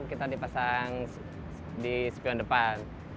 kita dipasang di spion depan